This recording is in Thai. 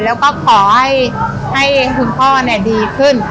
แล้วก็ขอให้คุณพ่อดีขึ้น